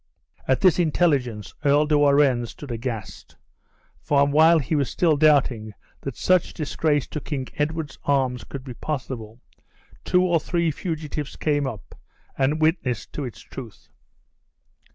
At this intelligence, Earl de Warenne stood aghast; and while he was still doubting that such disgrace to King Edward's arms could be possible, two or three fugitives came up, and witnessed to its truth.